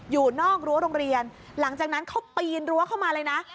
อยู่นอกรั้วโรงเรียนหลังจากนั้นเขาปีนรั้วเข้ามาเลยนะ